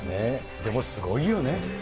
でもすごいよね。